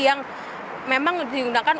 yang memang digunakan